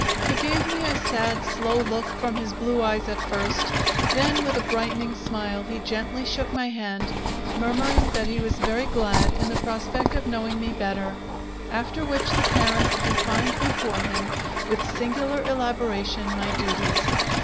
He gave me a sad, slow look from his blue eyes at first; then with a brightening smile he gently shook my hand, murmuring that he was very glad in the prospect of knowing me better; after which the parent defined before him, with singular elaboration, my duties.